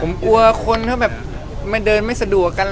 ผมกลัวคนด้วยไม่สะดวกัน